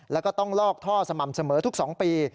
แล้วก็ต้องลอกท่อสม่ำเสมอทุก๒ปี